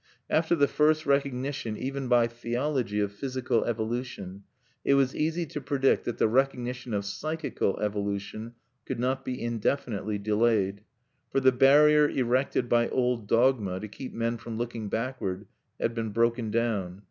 After the first recognition even by theology of physical evolution, it was easy to predict that the recognition of psychical evolution could not be indefinitely delayed; for the barrier erected by old dogma to keep men from looking backward had been broken down.